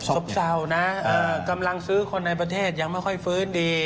บเศร้านะกำลังซื้อคนในประเทศยังไม่ค่อยฟื้นดี